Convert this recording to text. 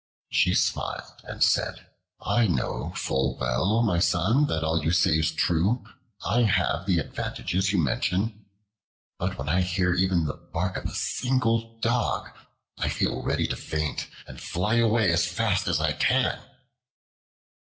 She smiled, and said: "I know full well, my son, that all you say is true. I have the advantages you mention, but when I hear even the bark of a single dog I feel ready to faint, and fly away as fast as I can."